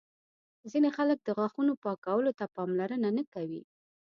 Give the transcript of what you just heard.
ځینې خلک د غاښونو پاکولو ته پاملرنه نه کوي.